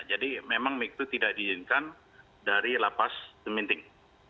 jadi memang itu tidak diizinkan dari lapas deminting